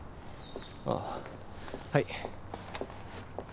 あぁはい。